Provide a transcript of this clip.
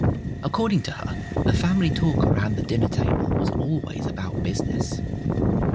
According to her, the family talk around the dinner table was always about business.